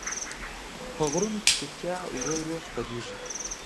په غرونو کې چوپتیا ورو ورو خپرېږي.